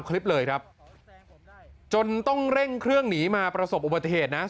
คลิปเลยครับจนต้องเร่งเครื่องหนีมาประสบอุบัติเหตุนะ